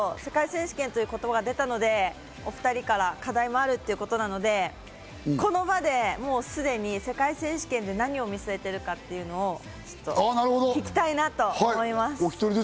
世界選手権という言葉が出たので、お２人から課題もあるということなので、この場でもうすでに世界選手権で何を見据えているかというのをちょっと聞きたいなと思います。